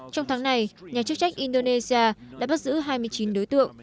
trong tháng này nhà chức trách indonesia đã bắt giữ hai mươi chín đối tượng